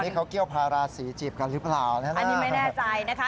นี่เขาเกี้ยวพาราศีจีบกันหรือเปล่านะครับอันนี้ไม่แน่ใจนะคะ